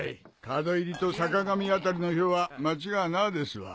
門入りと坂上辺りの票は間違いなぁですわ。